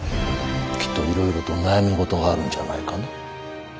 きっといろいろと悩み事があるんじゃないかな。